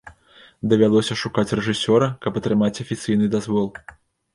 Давялося шукаць рэжысёра, каб атрымаць афіцыйны дазвол.